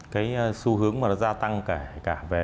cái xu hướng mà nó gia tăng cả về